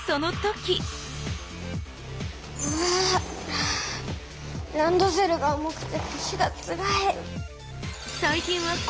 あぁランドセルが重くて腰がつらい。